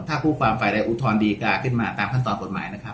ถ้าผู้ความฝ่ายใดอุทธรณ์ดีกล้าขึ้นมาตามขั้นตอนผลหมาย